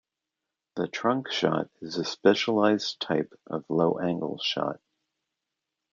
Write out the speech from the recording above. The trunk shot is a specialized type of low-angle shot.